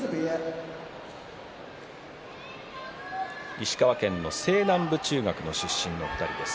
石川県の西南部中学出身の２人です。